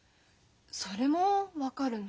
それも分かるの？